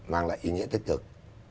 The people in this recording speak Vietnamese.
mang lại ý nghĩa tích cực